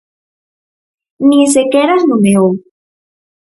Nin sequera as nomeou.